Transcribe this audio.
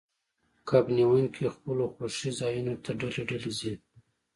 کب نیونکي خپلو خوښې ځایونو ته ډلې ډلې ځي